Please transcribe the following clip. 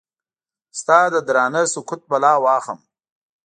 ستا ددرانده سکوت بلا واخلم؟